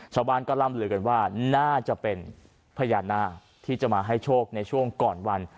ชาวบ้านก็ล่ำลือกันว่าน่าจะเป็นพญานาคที่จะมาให้โชคในช่วงก่อนวัน